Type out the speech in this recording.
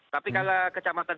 tapi kalau kecamatan